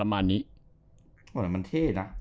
มันเท่นะ